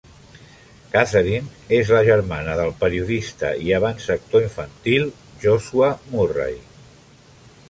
Katharine és la germana del periodista i abans actor infantil Joshua Murray.